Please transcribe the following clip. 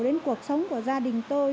đến cuộc sống của gia đình tôi